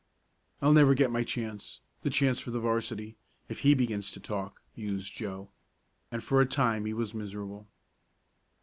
"I'll never get my chance the chance for the 'varsity if he begins to talk," mused Joe, and for a time he was miserable.